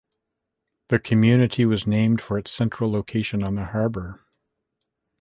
The community was named for its central location on the harbor.